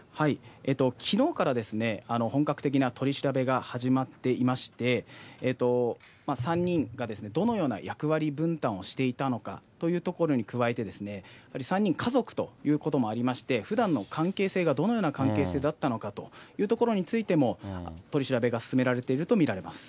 きのうから本格的な取り調べが始まっていまして、３人がどのような役割分担をしていたのかというところに加えて、３人家族ということもありまして、ふだんの関係性がどのような関係性だったのかというところについても取り調べが進められていると見られます。